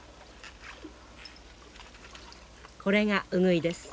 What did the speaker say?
これがウグイです。